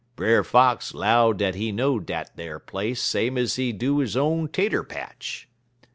"Brer Fox 'low dat he know dat ar place same ez he do he own tater patch.